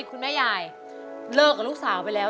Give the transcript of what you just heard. คุณยายเลิกกับลูกสาวไปแล้ว